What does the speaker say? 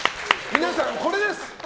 皆さん、これです！